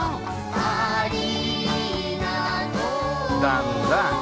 「ありがとう」だんだん。